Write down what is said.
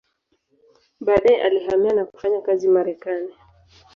Baadaye alihamia na kufanya kazi Marekani.